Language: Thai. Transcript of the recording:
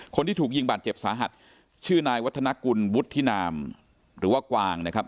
คนที่ถูกยิงบาดเจ็บสาหัสชื่อนายวัฒนกุลวุฒินามหรือว่ากวางนะครับ